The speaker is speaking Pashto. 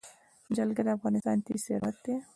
جلګه د افغانستان طبعي ثروت دی.